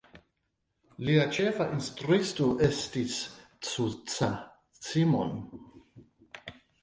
Lia ĉefa instruisto estis Zsuzsa Simon.